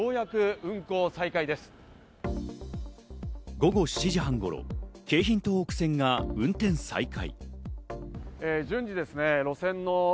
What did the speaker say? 午後７時半頃、京浜東北線が運転再開。